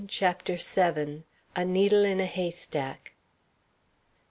CHAPTER VII. A NEEDLE IN A HAYSTACK.